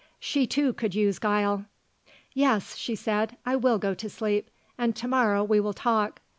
She, too, could use guile. "Yes," she said. "I will go to sleep. And to morrow we will talk.